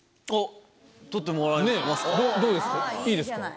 いいですか？